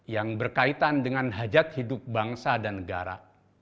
yang berkaitan dengan hajat hidup bangsa dan negara